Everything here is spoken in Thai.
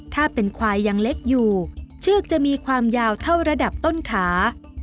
ถ้าเป็นควายยังเล็กอยู่เชือกจะมีความยาวเท่าระดับต้นขา